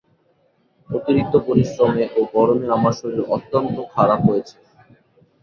অতিরিক্ত পরিশ্রমে ও গরমে আমার শরীর অত্যন্ত খারাপ হয়েছে।